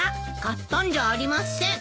買ったんじゃありません。